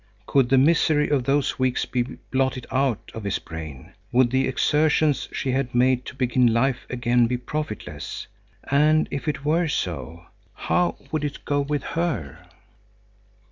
Could the misery of those weeks be blotted out of his brain? Would the exertions she had made to begin life again be profitless? And if it were so, how would it go with her?